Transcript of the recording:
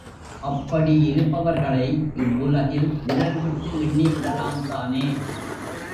அப்படி இருப்பவர்களை இவ்வுலகில் விரல்விட்டு எண்ணி விடலாம்தானே.